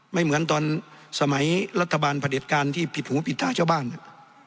ไม่เหมือนตอนสมัยรัฐบาลผลิตการที่ผิดหูผิดตาเจ้าบ้านอ่ะ